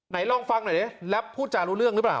ลองฟังหน่อยดิแล้วพูดจารู้เรื่องหรือเปล่า